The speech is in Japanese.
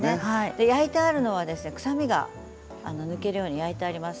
焼いてあるのは臭みが抜けるように焼いてあります。